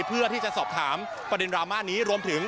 เพื่อที่จะสอบถามประเด็นราม่ากัน